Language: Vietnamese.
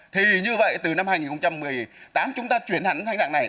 thì như vậy từ năm hai nghìn một mươi tám chúng ta chuyển hẳn thành dạng này